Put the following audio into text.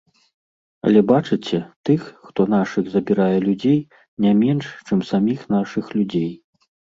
Але бачыце, тых, хто нашых забірае людзей, не менш, чым саміх нашых людзей.